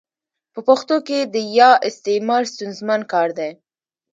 په پښتو کي د ي استعمال ستونزمن کار دی.